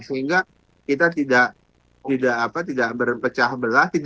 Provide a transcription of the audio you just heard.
sehingga kita tidak berpecah belah